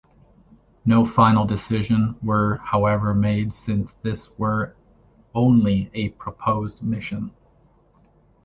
No final decision were however made since this were only a proposed mission.